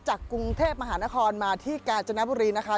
จากกรุงเทพมหานครมาที่กาญจนบุรีนะคะ